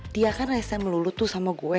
dia kan resen melulu tuh sama gue